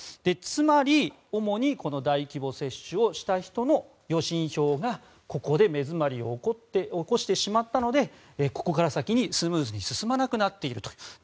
つまり、主に大規模接種をした人の予診票がここで目詰まりを起こしてしまったのでここから先にスムーズに進まなくなっているという。